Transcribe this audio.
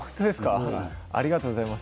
ありがとうございます。